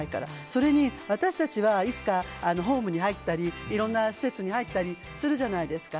それに私たちはいつかホームに入ったりいろんな施設に入ったりするじゃないですか。